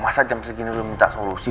masa jam segini lu minta solusi